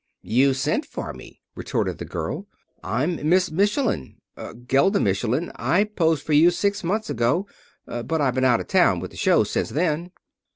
"You sent for me," retorted the girl. "I'm Miss Michelin Gelda Michelin. I posed for you six months ago, but I've been out of town with the show since then."